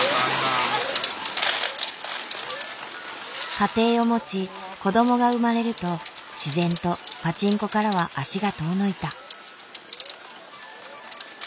家庭を持ち子供が生まれると自然とパチンコからは足が遠のいた。